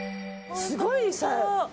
すごいさ。